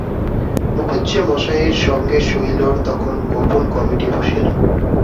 মুখুজ্যেমশায়ের সঙ্গে শৈলর তখন গোপন কমিটি বসিল।